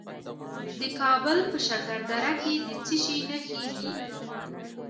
د کابل په شکردره کې د څه شي نښې دي؟